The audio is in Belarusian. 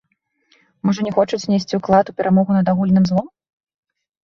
Можа, не хочуць унесці ўклад у перамогу над агульным злом?